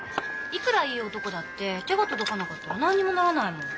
いくらいい男だって手が届かなかったら何にもならないもん。